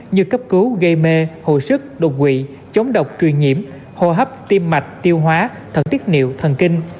như cấp cứu gây mê hồi sức đột quỵ chống độc truyền nhiễm hô hấp tim mạch tiêu hóa thần tiết niệu thần kinh